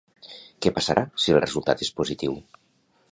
Què passarà si el resultat és positiu?